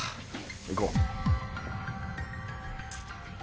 行こう。